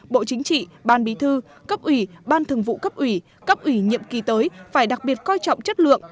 bộ chính trị ban bí thư cấp ủy ban thường vụ cấp ủy cấp ủy nhiệm kỳ tới phải đặc biệt coi trọng chất lượng